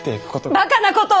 バカなことを！